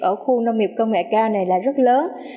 ở khu nông nghiệp công nghệ cao này là rất lớn